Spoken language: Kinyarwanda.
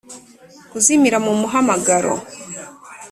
kuzimira mu muhamagaro.